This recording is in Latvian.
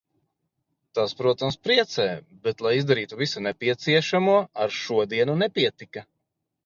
Tas, protams, priecē, bet lai izdarītu visu nepieciešamo ar šodienu nepietika.